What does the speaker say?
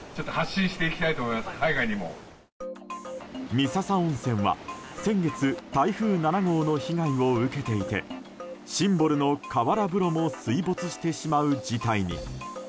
三朝温泉は先月台風７号の被害を受けていてシンボルの河原風呂も水没してしまう事態に。